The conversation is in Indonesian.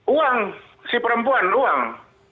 uang si perempuan uang